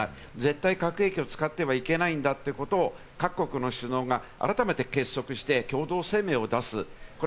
絶対核兵器を使ってはいけないんだということを各国の首脳が改めて結束して共同声明を出す。